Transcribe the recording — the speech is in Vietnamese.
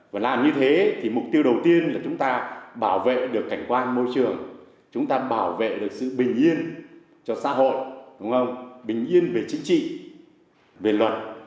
và làm như thế thì mục tiêu đầu tiên là chúng ta bảo vệ được cảnh quan môi trường chúng ta bảo vệ được sự bình yên cho xã hội bình yên về chính trị về luật